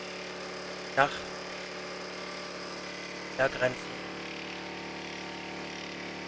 Je nach Betriebsbedingungen können die Fehlergrenzen um ein Mehrfaches größer sein.